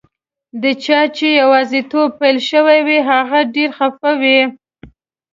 د چا چي یوازیتوب پیل شوی وي، هغه ډېر خفه وي.